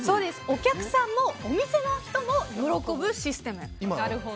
お客さんもお店の人も喜ぶシステム。